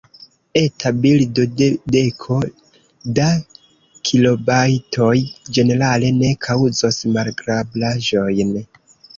Eta bildo de deko da kilobajtoj ĝenerale ne kaŭzos malagrablaĵojn.